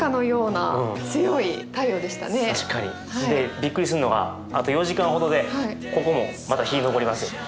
びっくりするのがあと４時間ほどでここもまた日昇ります。